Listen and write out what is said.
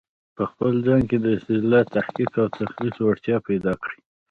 په خپل ځان کې د استدلال، تحقیق او تخليق وړتیا پیدا کړی